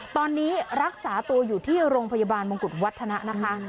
ตอนนี้รักษาตัวอยู่ที่โรงพยาบาลมงกุฎวัฒนะนะคะ